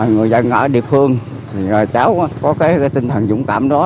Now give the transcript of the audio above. người dân ở địa phương thì cháu có cái tinh thần dũng cảm đó